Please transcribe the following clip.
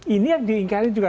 ini yang diinginkan juga